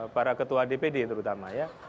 para ketua dpd terutama